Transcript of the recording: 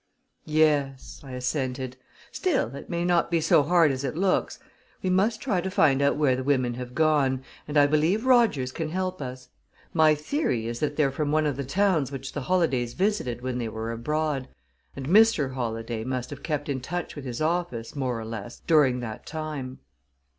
"Yes," I assented; "still, it may not be so hard as it looks. We must try to find out where the women have gone, and I believe Rogers can help us. My theory is that they're from one of the towns which the Holladays visited when they were abroad, and Mr. Holladay must have kept in touch with his office, more or less, during that time."